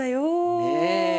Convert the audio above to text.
ねえ。